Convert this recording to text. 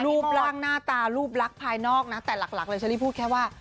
รูปร่างหน้าตารูปลักษณ์ภายนอกนะแต่หลักเลยเชอรี่พูดแค่ว่า